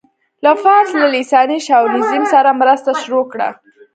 له فارس له لېساني شاونيزم سره مرسته شروع کړه.